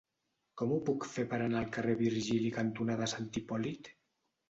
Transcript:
Com ho puc fer per anar al carrer Virgili cantonada Sant Hipòlit?